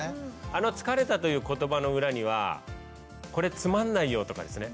あの「疲れた」という言葉の裏にはこれつまんないよとかですね